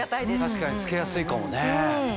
確かに着けやすいかもね。